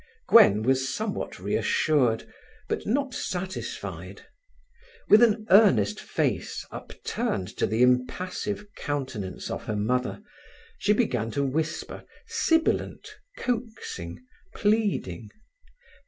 Gwen was somewhat reassured, but not satisfied. With an earnest face upturned to the impassive countenance of her mother, she began to whisper, sibilant, coaxing, pleading.